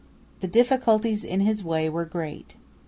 The difficulties in his way were great.